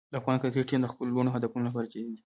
د افغان کرکټ ټیم د خپلو لوړو هدفونو لپاره جدي دی.